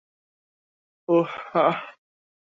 ওহ, হাহ?